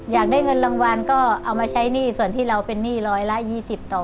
อยากได้เงินรางวัลก็เอามาใช้หนี้ส่วนที่เราเป็นหนี้ร้อยละ๒๐ต่อ